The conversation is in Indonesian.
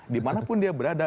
dimanapun dia berada